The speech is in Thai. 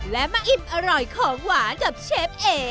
และมาอิ่มอร่อยของหวานกับเชฟเอ